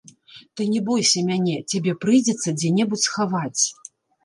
Ты не бойся мяне, цябе прыйдзецца дзе-небудзь схаваць.